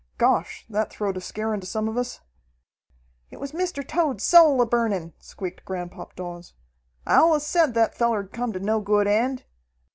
Gosh, that throwed a scare into some of us!" "It was Mr. Tode's soul a burnin'," squeaked Granpop Dawes. "I allus said that feller'd come to no good end."